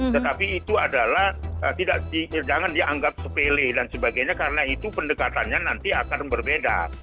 tetapi itu adalah jangan dianggap sepele dan sebagainya karena itu pendekatannya nanti akan berbeda